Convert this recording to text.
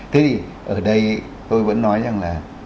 thế thì ở đây tôi vẫn nói rằng là